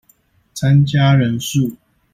參加人數